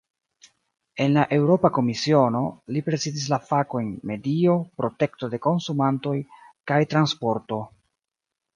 En la Eŭropa Komisiono, li prezidis la fakojn "medio, protekto de konsumantoj kaj transporto".